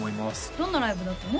どんなライブだったの？